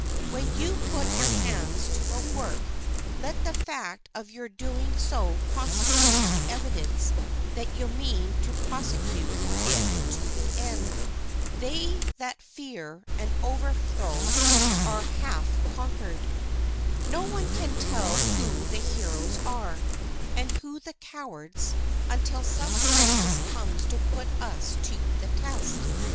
When you put your hands to a work, let the fact of your doing so constitute the evidence that you mean to prosecute it to the end. They that fear an overthrow are half conquered. No one can tell who the heroes are, and who the cowards, until some crisis comes to put us to the test.